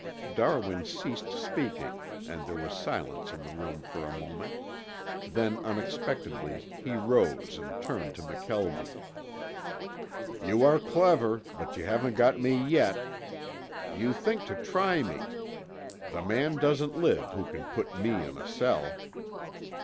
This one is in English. Darwin ceased speaking and there was silence in the room for a moment, then unexpectedly he rose and turned to McKelvie. "You are clever, but you haven't got me yet. You think to try me. The man doesn't live who can put me in a cell."